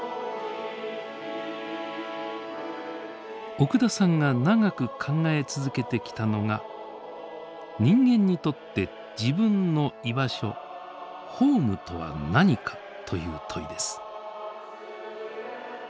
奥田さんが長く考え続けてきたのが「人間にとって自分の居場所ホームとは何か？」という問いです。